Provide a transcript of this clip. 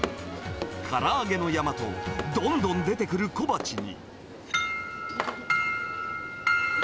から揚げの山と、どんどん出てくる小鉢に。